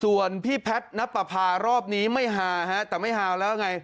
ส่วนพี่แพทย์นับประพารอบนี้ไม่ฮาฮะแต่ไม่ฮาวแล้วไง